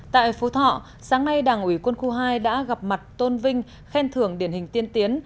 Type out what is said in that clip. tại phú thọ sáng nay đảng ủy quân khu hai đã gặp mặt tôn vinh khen thưởng điển hình tiên tiến